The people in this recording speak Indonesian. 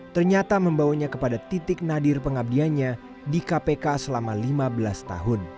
ternyata membawanya kepada titik nadir pengabdiannya di kpk selama lima belas tahun